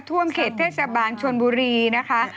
ท่วมเขตเทศบาลชนบุรีนะคะ